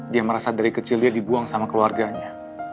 dia merasa dari kecil dia dibuang sama keluarganya